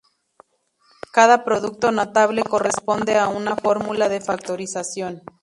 Cada producto notable corresponde a una fórmula de factorización.